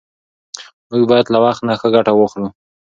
موږ باید له وخت نه ښه ګټه واخلو